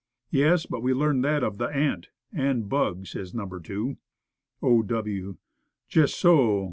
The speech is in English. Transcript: "Yes; but we learned that of the ant and bug," says number two. O. W. "Just so.